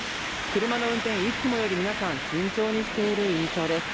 車の運転、いつもより皆さん、慎重にしている印象です。